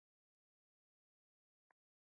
پخوا سپین ږیرو کیسې کولې.